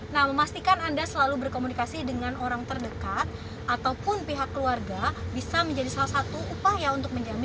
nah memastikan anda selalu berkomunikasi dengan orang terdekat ataupun pihak keluarga bisa menjadi salah satu upaya untuk menjamin